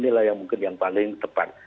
inilah yang mungkin yang paling tepat